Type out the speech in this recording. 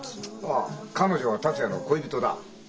ああ彼女は達也の恋人だ。